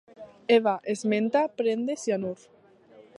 Eva esmenta prendre cianur.